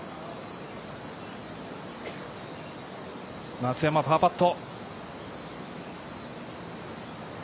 松山、パーパット。